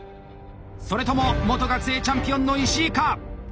それとも元学生チャンピオンの石井か？